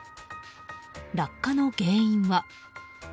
落下の原因は。